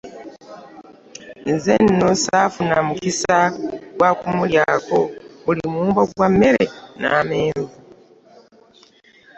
Nze nno ssaafuna mukisa gwa kumulyako, buli muwumbo gwa mmere n'amenvu.